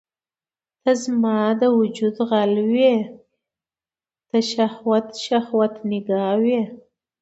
ته زما د وجود غل وې ته شهوت، شهوت نګاه وي